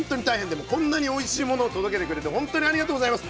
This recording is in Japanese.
でもこんなにおいしいものを届けてくれて本当にありがとうございます。